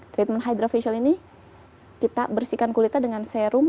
treatment hydra facial ini kita bersihkan kulitnya dengan serum